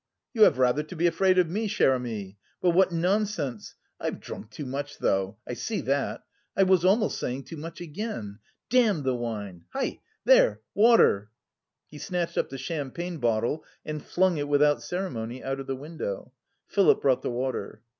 You have rather to be afraid of me, cher ami. But what nonsense.... I've drunk too much though, I see that. I was almost saying too much again. Damn the wine! Hi! there, water!" He snatched up the champagne bottle and flung it without ceremony out of the window. Philip brought the water.